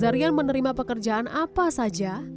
zarian menerima pekerjaan apa saja